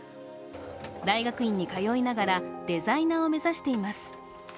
大学院に通いながらデザイナーを目指しています。